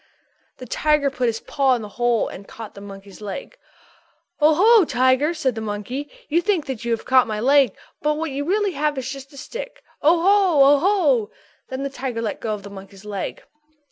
_" The tiger put his paw into the hole and caught the monkey's leg. "Oh, ho, Mr. Tiger!" said the monkey. "You think that you have caught my leg but what you really have is just a little stick. Oh, ho! Oh, ho!" Then the tiger let go of the monkey's leg.